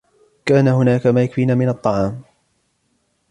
كان هناك ما يكفينا من الطعام.